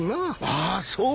ああそう。